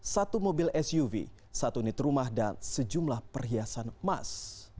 satu mobil suv satu unit rumah dan sejumlah perhiasan emas